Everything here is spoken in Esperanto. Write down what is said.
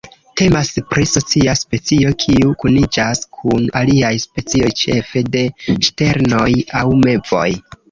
Temas pri socia specio kiu kuniĝas kun aliaj specioj ĉefe de ŝternoj aŭ mevoj.